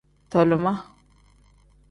Tolima.